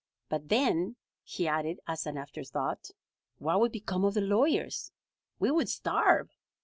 But then," he added as an after thought, "what would become of the lawyers? We would starve."